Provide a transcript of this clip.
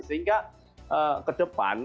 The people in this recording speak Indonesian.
sehingga ke depan